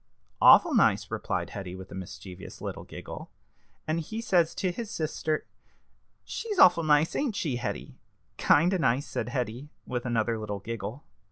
"Awful nice," replied Hetty, with a mischievous little giggle. "And he says to his sister she's awful nice, ain't she, Hetty?" "Kind of nice," said Hetty, with another little giggle.